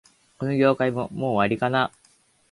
この業界も、もう終わりかな